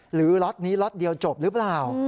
ล็อตนี้ล็อตเดียวจบหรือเปล่า